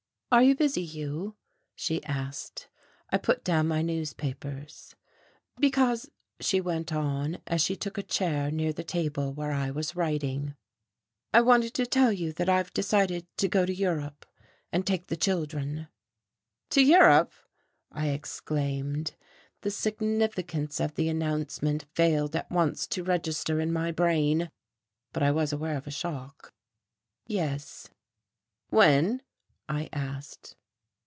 "Are you busy, Hugh?" she asked. I put down my newspapers. "Because," she went on, as she took a chair near the table where I was writing, "I wanted to tell you that I have decided to go to Europe, and take the children." "To Europe!" I exclaimed. The significance of the announcement failed at once to register in my brain, but I was aware of a shock. "Yes." "When?" I asked.